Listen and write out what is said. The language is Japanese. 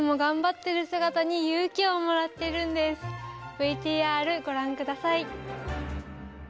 ＶＴＲご覧ください。